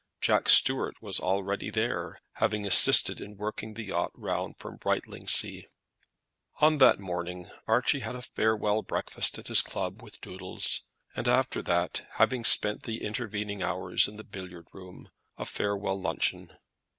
Jack Stuart was already there, having assisted in working the yacht round from Brightlingsea. On that morning Archie had a farewell breakfast at his club with Doodles, and after that, having spent the intervening hours in the billiard room, a farewell luncheon.